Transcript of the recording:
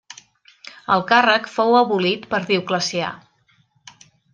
El càrrec fou abolit per Dioclecià.